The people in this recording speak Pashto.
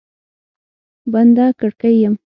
بنده کړکۍ یم